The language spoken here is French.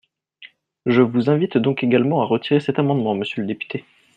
Je vous invite donc également à retirer cet amendement, monsieur le député.